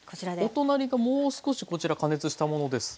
お隣がもう少しこちら加熱したものです。